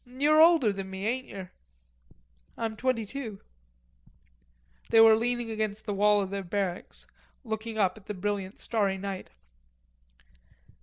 You're older than me, ain't yer?" "I'm twenty two." They were leaning against the wall of their barracks, looking up at the brilliant starry night.